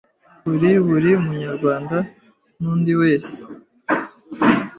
kuri buri munyarwanda n’undi wese